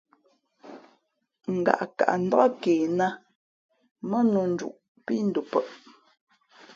Ngaʼkaʼ ndāk ke nā mά nū nduʼ pí ndαpαʼ.